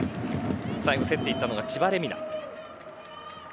最後競っていったのは千葉玲海菜。